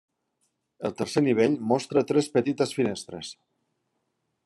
El tercer nivell mostra tres petites finestres.